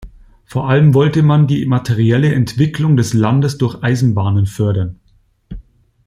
Vor allem wollte man die materielle Entwicklung des Landes durch Eisenbahnen fördern.